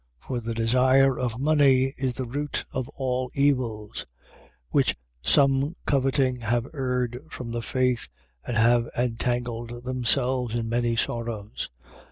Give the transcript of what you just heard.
6:10. For the desire of money is the root of all evils; which some coveting have erred from the faith and have entangled themselves in many sorrows.